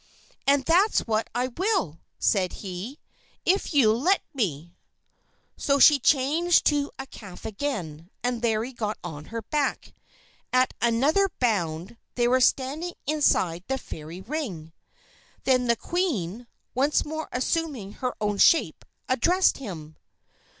"And that's what I will!" said he, "if you'll let me!" So she changed to a calf again, and Larry got on her back. At another bound they were standing inside the Fairy Ring. Then the Queen, once more assuming her own shape, addressed him.